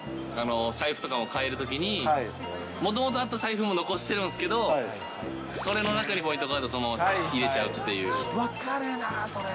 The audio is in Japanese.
財布とかを替えるときに、もともとあった財布も残してるんですけど、それの中にポイントカード、分かるなぁ、それ。